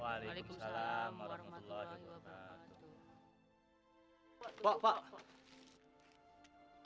waalaikumsalam warahmatullahi wabarakatuh